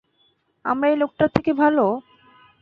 আমরা এই লোকটার থেকে ভালো?